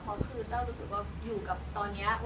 เพราะคือแต้วรู้สึกว่าอยู่กับตอนนี้